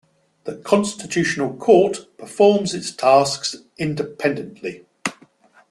The Constitutional Court performs its tasks independently.